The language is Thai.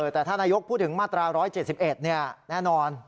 แต่ถ้านายกพูดถึงมาตรา๑๗๑แน่นอน